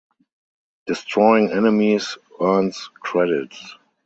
Destroying enemies earns credits.